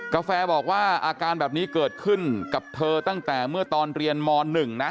กาแฟบอกว่าอาการแบบนี้เกิดขึ้นกับเธอตั้งแต่เมื่อตอนเรียนม๑นะ